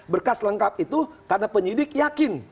berkas lengkap itu karena penyidik yakin